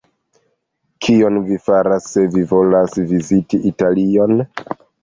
Kion vi faras, se vi volas viziti Italion?